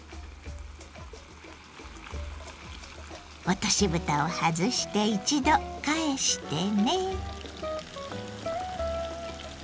落としぶたを外して１度返してね。